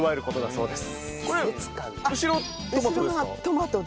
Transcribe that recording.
そうです。